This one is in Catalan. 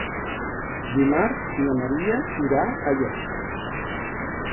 Dimarts na Maria irà a Lleida.